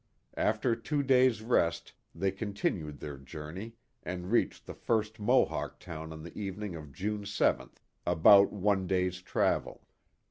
After two days* rest they continued their journey, and reached the first Mo hawk town on the evening of June 7th, about one day*s travel.